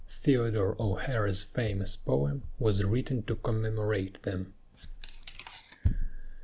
Theodore O'Hara's famous poem was written to commemorate them.